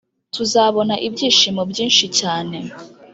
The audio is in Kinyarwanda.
tuzabona ibyishimo byinshi cyane